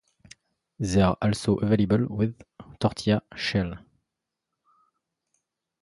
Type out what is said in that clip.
They are also available with tortilla shells.